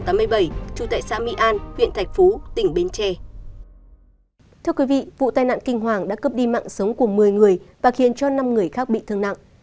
thưa quý vị vụ tai nạn kinh hoàng đã cướp đi mạng sống của một mươi người và khiến cho năm người khác bị thương nặng